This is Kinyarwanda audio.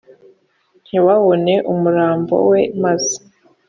ntibabone umurambo we maze